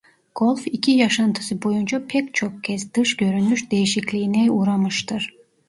Golf iki yaşantısı boyunca pek çok kez dış görünüş değişikliğine uğramıştır.